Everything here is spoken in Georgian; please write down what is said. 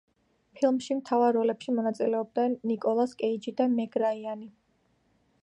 ფილმში მთავარ როლებში მონაწილეობენ ნიკოლას კეიჯი და მეგ რაიანი.